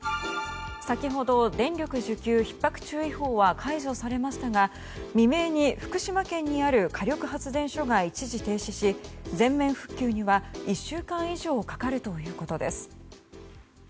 先ほど電力需給ひっ迫注意報は解除されましたが未明に福島県にある火力発電所が一時停止し全面復旧には１週間以上かかるということです。